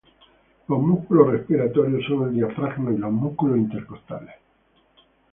Los músculos respiratorios son el diafragma y los músculos intercostales.